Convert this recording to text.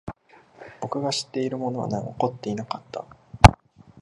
僕が知っているものは残っていなかった。